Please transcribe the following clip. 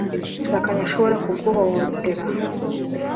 Ni gute uwo mwashakanye ashobora kuguhohotera